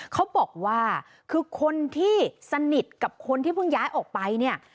เขาบอกว่าคือคนที่สนิทกับคนที่เพิ่งย้ายออกไปเนี่ย